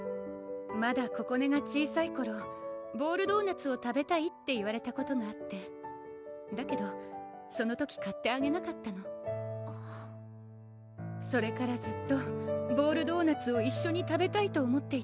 まだここねが小さい頃ボールドーナツを食べたいって言われたことがあってだけどその時買ってあげなかったのそれからずっとボールドーナツを一緒に食べたいと思っていたの